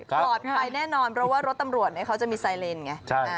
ปลอดภัยแน่นอนเพราะว่ารถตำรวจเขาจะมีไซเลนไง